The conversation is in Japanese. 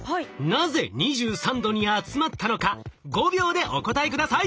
なぜ２３℃に集まったのか５秒でお答え下さい。